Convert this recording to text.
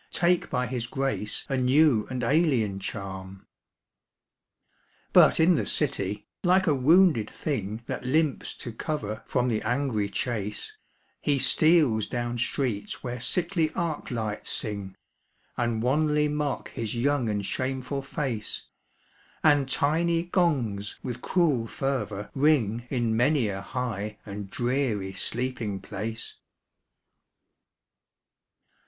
Take by his grace a new and alien charm. But in the city, like a wounded thing That limps to cover from the angry chase, He steals down streets where sickly arc lights sing, And wanly mock his young and shameful face; And tiny gongs with cruel fervor ring In many a high and dreary sleeping place.